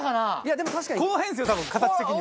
この辺ですよ多分形的に。